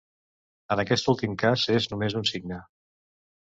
En aquest últim cas és només un signe.